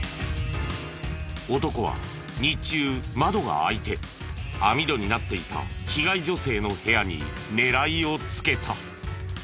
男は日中窓が開いて網戸になっていた被害女性の部屋に狙いをつけた。